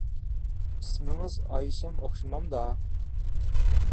ئىسمىڭىز ئايشەم ئوخشىمامدا؟